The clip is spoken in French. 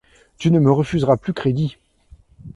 Tu ne me refuseras plus crédit...